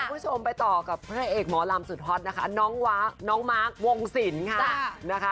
คุณผู้ชมไปต่อกับพระเอกหมอลำสุดฮอตนะคะน้องมาร์ควงศิลป์ค่ะนะคะ